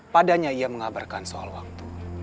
padanya ia mengabarkan soal waktu